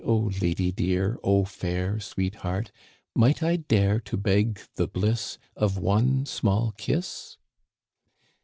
Oh, lady dear, oh, fair sweet hearts Might I dare to beg the bliss . Of one small kiss?"